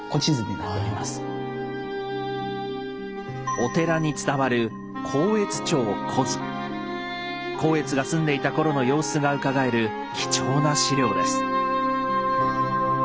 お寺に伝わる光悦が住んでいた頃の様子がうかがえる貴重な資料です。